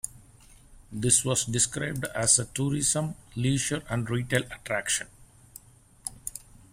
This was described as a tourism, leisure and retail attraction.